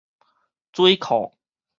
水庫